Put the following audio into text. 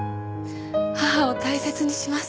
母を大切にします。